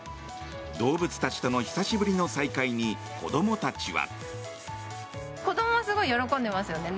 動物たちとの久しぶりの再会に子どもたちは。